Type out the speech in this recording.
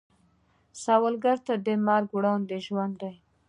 سوالګر ته د لمر وړانګه ژوند ده